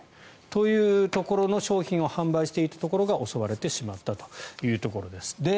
というところの商品を販売していたところが襲われてしまったということです。